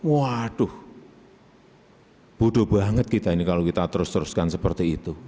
waduh bodoh banget kita ini kalau kita terus teruskan seperti itu